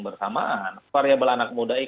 bersamaan variabel anak muda ini